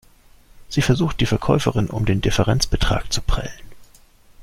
Sie versucht, die Verkäuferin um den Differenzbetrag zu prellen.